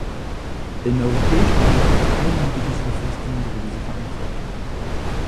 In der Europäischen Union teilen wir diese Verpflichtung sowie diese Verantwortung.